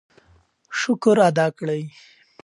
شکر ادا کړئ.